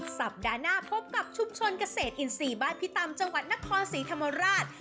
สัปดาห์หน้าพบกับชุมชนเกษตรอินทรีย์บ้านพิตำจังหวัดนครศรีธรรมราช